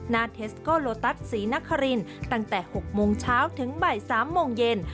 เทสโกโลตัสศรีนครินตั้งแต่๖โมงเช้าถึงบ่าย๓โมงเย็น